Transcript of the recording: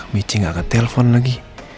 michi ga akan telepon lagi